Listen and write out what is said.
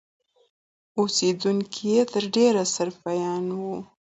اوسېدونکي یې تر ډېره سرفیان وو.